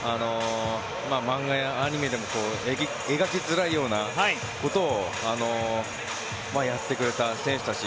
漫画やアニメでも描きづらいようなことをやってくれた選手たち